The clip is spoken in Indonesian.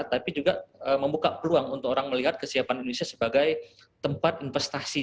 tapi juga membuka peluang untuk orang melihat kesiapan indonesia sebagai tempat investasi